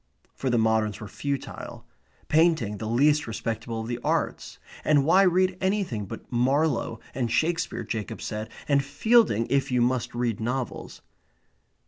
For the moderns were futile; painting the least respectable of the arts; and why read anything but Marlowe and Shakespeare, Jacob said, and Fielding if you must read novels?